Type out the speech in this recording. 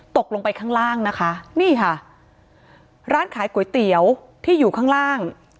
ตกลงไปข้างล่างนะคะนี่ค่ะร้านขายก๋วยเตี๋ยวที่อยู่ข้างล่าง